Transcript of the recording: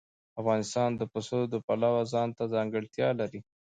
افغانستان د پسه د پلوه ځانته ځانګړتیا لري.